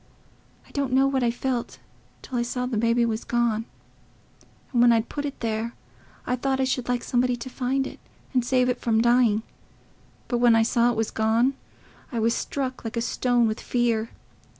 I don't know what I felt till I saw the baby was gone. And when I'd put it there, I thought I should like somebody to find it and save it from dying; but when I saw it was gone, I was struck like a stone, with fear.